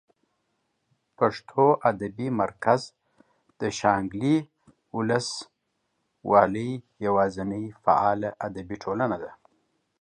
پښتو ادبي مرکز د شانګلې اولس والۍ یواځینۍ فعاله ادبي ټولنه ده